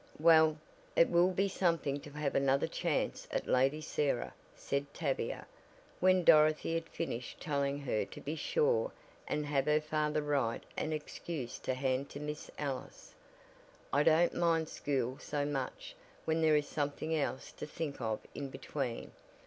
"Well, it will be something to have another chance at Lady Sarah," said Tavia, when Dorothy had finished telling her to be sure and have her father write an excuse to hand to Miss Ellis. "I don't mind school so much when there is something else to think of in between.